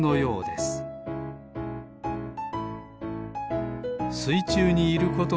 すいちゅうにいることのおおい